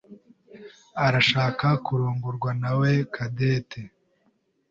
arashaka kurongorwa nawe Cadette.